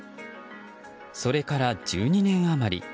それから１２年余り。